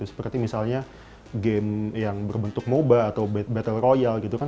seperti misalnya game yang berbentuk moba atau battle royale